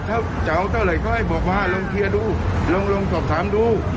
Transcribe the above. ถ้าจะเอาเท่าไหร่ก็ให้บอกว่าลองเคลียร์ดูลองสอบถามดู